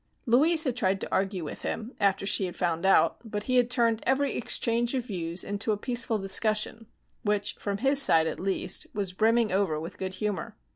Louise had tried to argue with him after she had found out, but he had turned every exchange of views into a peaceful discussion, which from his side, at least, was brimming over with good humor.